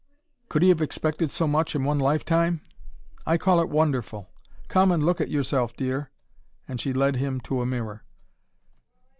Could he have expected so much, in one life time? I call it wonderful. Come and look at yourself, dear" and she led him to a mirror.